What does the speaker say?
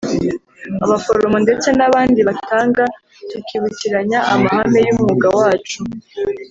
abaforomo ndetse n’abandi batanga tukibukiranya amahame y’umwuga wacu